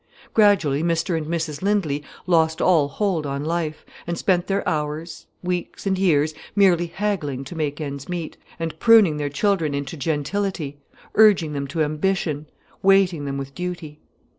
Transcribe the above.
Gradually Mr and Mrs Lindley lost all hold on life, and spent their hours, weeks and years merely haggling to make ends meet, and bitterly repressing and pruning their children into gentility, urging them to ambition, weighting them with duty.